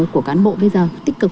của cán bộ bây giờ tích cực